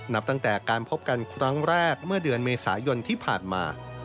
นับตั้งแต่การพบกันครั้งแรกเมื่อเดือนเมษายนที่ผ่านมา